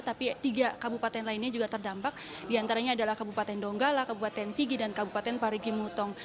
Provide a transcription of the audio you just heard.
tiga kabupaten lainnya juga terdampak diantaranya adalah kabupaten donggala kabupaten sigi dan kabupaten parigimutong